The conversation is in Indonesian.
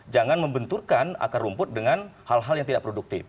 jangan membenturkan akar rumput dengan hal hal yang tidak produktif